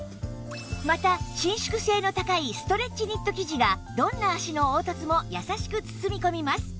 また伸縮性の高いストレッチニット生地がどんな足の凹凸も優しく包み込みます